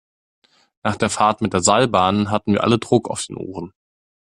Nach der Fahrt mit der Seilbahn hatten wir alle Druck auf den Ohren.